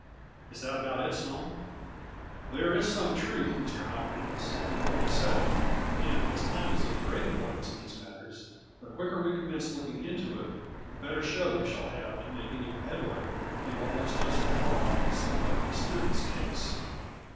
Is that about it, Sloane ?"" There is some truth, Mr. Hopkins, in what you say, and, as time is of great importance in these matters, the quicker we commence look ing into it the better show we shall have to make any headway in what looks just now like a somewhat mysterious case."